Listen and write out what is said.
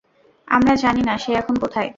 আমরা জানি না সে এখন কোথায়।